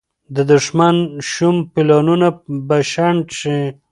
د دښمن شوم پلانونه به شنډ شي.